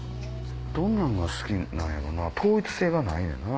どんなんが好きなんやろな統一性がないんよな。